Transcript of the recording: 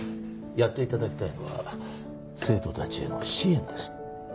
やっていただきたいのは生徒たちへの支援です。